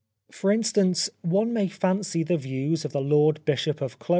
For instance, one may fancy the views of the Lord Bishop of Clogher, D.